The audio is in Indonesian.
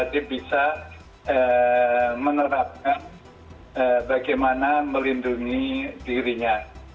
dia bisa menerapkan bagaimana melindungi dirinya